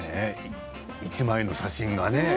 １枚の写真がね